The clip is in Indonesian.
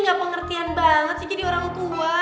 gak pengertian banget sih jadi orang tua